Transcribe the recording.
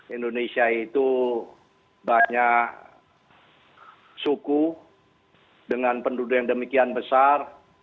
indonesia itu banyak suku dengan penduduk yang demikian besar